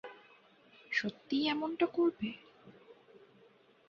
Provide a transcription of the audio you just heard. সত্যিই এমনটা করবে?